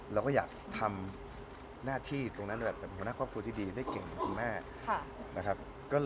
เราก็อยากทำหน้าที่ตรงนั้นแบบเป็นผู้นักครอบครัวที่ดีได้เก่งมาก